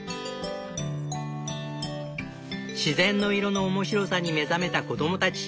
自然の色の面白さに目覚めた子供たち。